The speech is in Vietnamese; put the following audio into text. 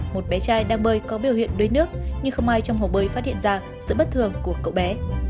một bé trai đang bơi có biểu hiện đuối nước nhưng không ai trong hồ bơi phát hiện ra sự bất thường của cậu bé